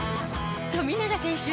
富永選手